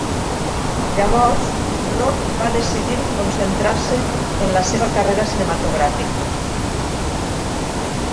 Llavors, Rock va decidir concentrar-se en la seva carrera cinematogràfica.